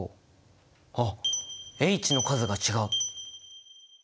あっＨの数が違う！